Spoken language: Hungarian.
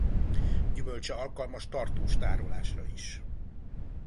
Gyümölcse alkalmas tartós tárolásra is.